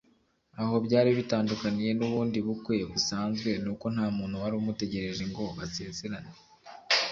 Aho byari bitandukaniye n’ubundi bukwe busanzwe n’uko nta muntu wari umutegereje ngo basezerane